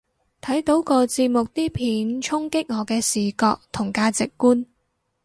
睇到個節目啲片衝擊我嘅視覺同價值觀